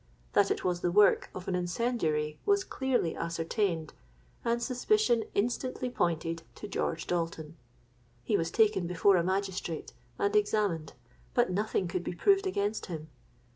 That it was the work of an incendiary was clearly ascertained; and suspicion instantly pointed to George Dalton. He was taken before a magistrate and examined; but nothing could be proved against him.